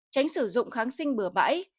tránh sử dụng kháng sinh bừa bãi